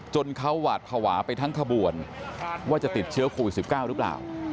จนเขาหวาดภาวะไปทั้งขบวนว่าจะติดเชื้อโควิด๑๙หรือเปล่า